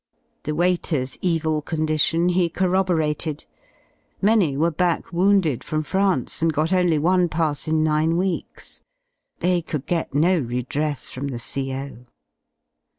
The waiters' evil condition he corroborated, many were back wounded from France, and got only one pass in nine weeks. They could get no redress from the CO.